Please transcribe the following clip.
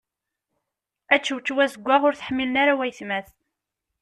Ačewčew azewwaɣ ur t-ḥmmilen ara wayetma-s.